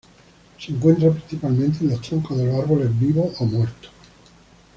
Se encuentra principalmente en los troncos de los árboles, vivos o muertos.